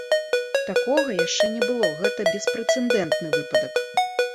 Такога яшчэ не было, гэта беспрэцэдэнтны выпадак!